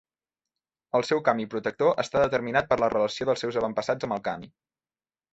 El seu kami protector està determinat per la relació dels seus avantpassats amb el kami.